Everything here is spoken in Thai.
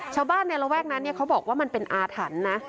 ชาวบ้านในระแวกนั้นเขาบอกว่ามันเป็นอาถรรพ์นะ